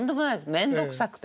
面倒くさくて。